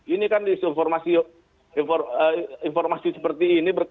ini kan disinformasi seperti ini